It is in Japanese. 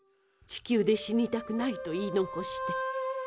「地球で死にたくない」と言い残して。